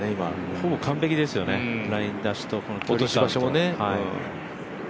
ほぼ完璧ですよね、ライン出しと、コントロール出しも。